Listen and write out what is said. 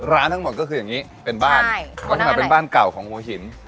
ทั้งหมดก็คืออย่างนี้เป็นบ้านลักษณะเป็นบ้านเก่าของหัวหิน